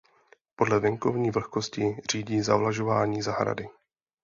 Podle venkovní vlhkosti řídí zavlažování zahrady.